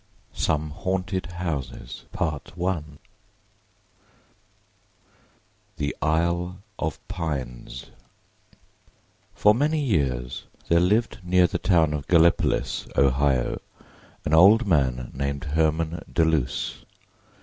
SOME HAUNTED HOUSES THE ISLE OF PINES FOR many years there lived near the town of Gallipolis, Ohio, an old man named Herman Deluse.